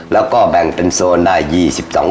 แล้วก็แบ่งเป็นโซนได้๒๒